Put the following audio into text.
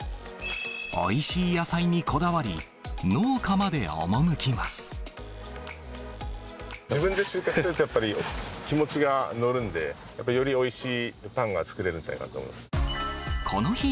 おいしい野菜にこだわり、自分で収穫するとやっぱり、気持ちが乗るんで、やっぱりよりおいしいパンが作れるんじゃないかと思います。